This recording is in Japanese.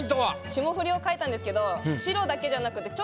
霜降りを描いたんですけど。